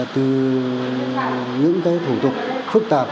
từ những cái thủ tục phức tạp